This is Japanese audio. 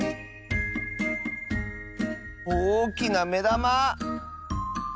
おおきなめだま！